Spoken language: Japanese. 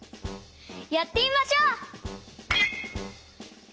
やってみましょう！